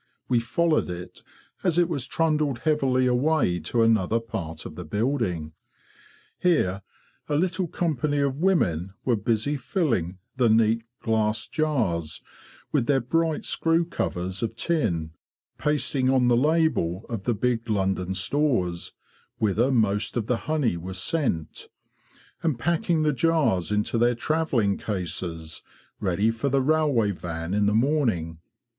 We followed it as it was trundled heavily away to another part of the building. Here a little company of women were busy filling the neat glass jars, with their bright screw covers of tin; pasting on the label of the big London stores, whither most of the honey was sent; and packing the jars into their travelling cases ready for the railway van in the morning.